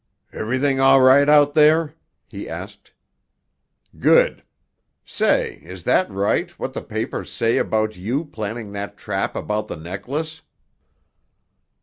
"Everything all right out there?" he asked. "Good! Say, is that right, what the papers say about you planning that trap about the necklace?"